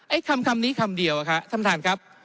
คำนี้คำเดียวอะครับท่านท่านครับ